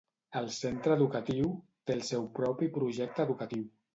El centre educatiu té el seu propi projecte d'educació.